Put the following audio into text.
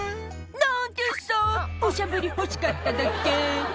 「なんてウッソおしゃぶり欲しかっただけ」